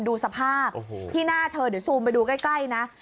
ดูสภาพที่หน้าเธอเดี๋ยวซูมไปดูใกล้นะ